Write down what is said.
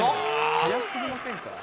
速すぎませんか？